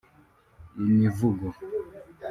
Imivugo